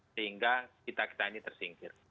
sehingga kita kita ini tersingkir